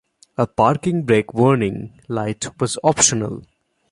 A parking brake warning light was optional.